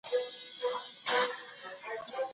د خاوند او ميرمني خپلمنځي شهوت پوره کول هم اجر لري.